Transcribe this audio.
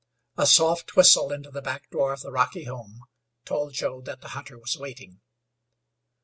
A soft whistle into the back door of the rocky home told Joe that the hunter was waiting.